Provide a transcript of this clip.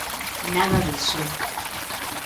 Nada diso.